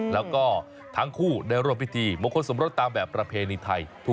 แล้วก็ทั้งคู่ได้ร่วมพิธีมงคลสมรสตามแบบประเพณีไทย